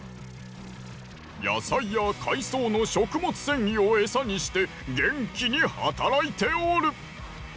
野菜や海藻の食物繊維をエサにしてげんきに働いておる。